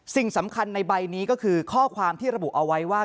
สิ่งสำคัญในใบนี้ก็คือข้อความที่ระบุเอาไว้ว่า